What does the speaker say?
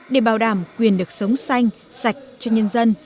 để bảo đảm quyền được sống xanh sạch cho nhân dân